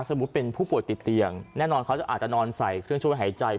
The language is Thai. เป็นผู้ป่วยติดเตียงแน่นอนเขาอาจจะนอนใส่เครื่องช่วยหายใจ